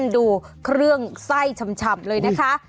ดูเครื่องไส้ฉ่ำเลยนะคะ